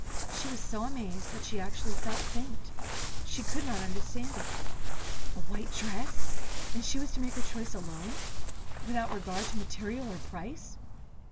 She was so amazed that she actually felt faint She could not understand it. A white dress! And she to make her choice alone, without regard to material, or price!